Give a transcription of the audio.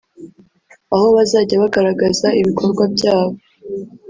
aho bazajya bagaragaza ibikorwa byabo